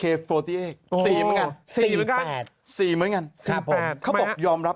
๔เหมือนกันเขาบอกยอมรับ